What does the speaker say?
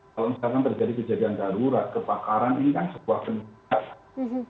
kalau misalkan terjadi kejadian darurat kebakaran ini kan sebuah penyakit